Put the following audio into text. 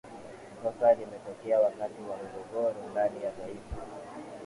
kosa limetokea wakati wa migogoro ndani ya taifa